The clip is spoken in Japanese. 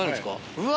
うわ！